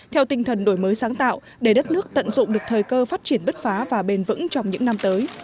theo tinh thần đổi mới sáng tạo để đất nước tận dụng được thời cơ phát triển bất phá và bền vững trong những năm tới